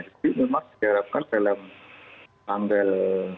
jadi memang diharapkan dalam tanggal